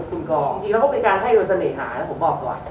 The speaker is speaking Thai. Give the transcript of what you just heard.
คุณกองจริงแล้วเขาเป็นการให้โดยเสน่หานะผมบอกก่อน